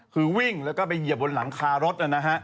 คือวิ่งแล้วก็ไปเหยียบบนหลังคารถนะฮะ